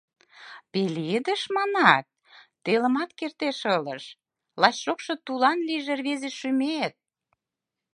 — Пеледыш, — манат, — телымат кертеш ылыж, Лач шокшо тулан лийже рвезе шӱмет.